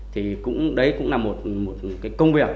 thì đấy cũng là một công việc